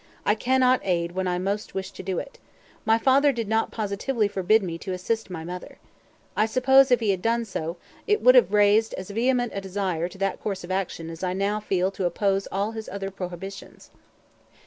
I cannot aid when I most wish to do it. My father did not positively forbid me to assist my mother. I suppose, if he had done so, it would have raised as vehement a desire to that course of action as I now feel to oppose all his other prohibitions."